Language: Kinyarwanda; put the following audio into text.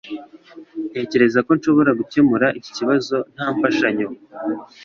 Ntekereza ko nshobora gukemura iki kibazo nta mfashanyo.